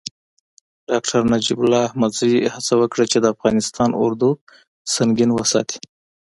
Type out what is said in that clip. ډاکتر نجیب الله احمدزي هڅه وکړه چې د افغانستان اردو سنګین وساتي.